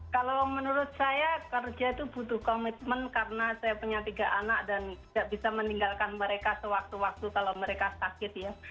kalau menurut saya kerja itu butuh komitmen karena saya punya tiga anak dan tidak bisa meninggalkan mereka sewaktu waktu kalau mereka sakit ya